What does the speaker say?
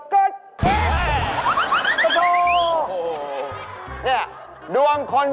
ใครวะนะ